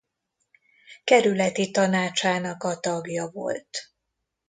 Kerületi Tanácsának a tagja volt.